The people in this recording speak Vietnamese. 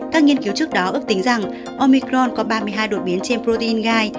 các nghiên cứu trước đó ước tính rằng omicron có ba mươi hai đột biến trên protein gai